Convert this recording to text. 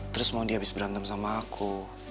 terus mau dia habis berantem sama aku